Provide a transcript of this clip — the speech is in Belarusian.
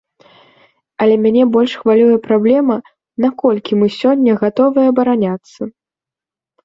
Але мяне больш хвалюе праблема, наколькі мы сёння гатовыя абараняцца?